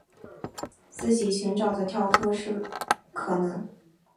自己寻找的是跳脱的可能